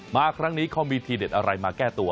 มาครั้งนี้เขามีทีเด็ดอะไรมาแก้ตัว